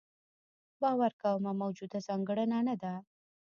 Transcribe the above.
باور کومه موجوده ځانګړنه نه ده.